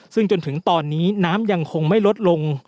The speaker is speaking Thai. ซึ่งจนถึงตอนนี้น้ำยังคงไม่ลดลง